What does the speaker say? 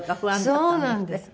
そうなんです。